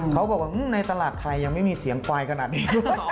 เขาบอกว่าในตลาดไทยยังไม่มีเสียงควายขนาดนี้